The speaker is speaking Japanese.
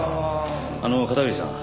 あの片桐さん。